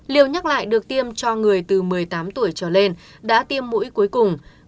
liều nhắc lại được tiêm cho người từ một mươi tám tuổi trở lên đã tiêm mũi cuối cùng